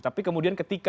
tapi kemudian ketika